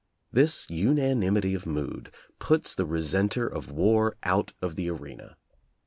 This una nimity of mood puts the resenter of war out of the arena.